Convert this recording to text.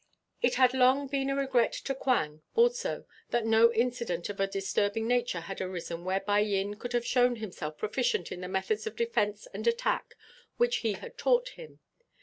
It had long been a regret to Quang also that no incident of a disturbing nature had arisen whereby Yin could have shown himself proficient in the methods of defence and attack which he had taught him.